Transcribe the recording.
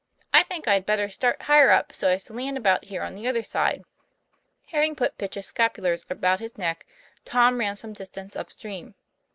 I think I'd better start higher up so as to land about here on the other side." Having put Pitch's scapulars about his neck, Tom ran some distance up stream.